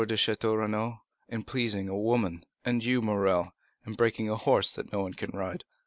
de Château Renaud, in pleasing a woman; and you, Morrel, in breaking a horse that no one can ride.